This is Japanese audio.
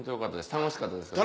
楽しかったですよね？